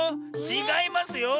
ちがいますよ。